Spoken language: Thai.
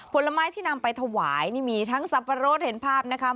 ผลไม้ที่นำไปถวายนี่มีทั้งสับปะรดเห็นภาพนะคะ